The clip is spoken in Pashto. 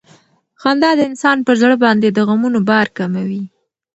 خندا د انسان پر زړه باندې د غمونو بار کموي.